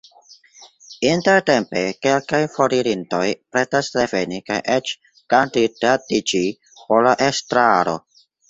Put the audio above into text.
Intertempe kelkaj foririntoj pretas reveni kaj eĉ kandidatiĝi por la estraro.